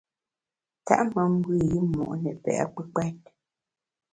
Tèt me mbe i yimo’ ne pe’ kpùkpèt.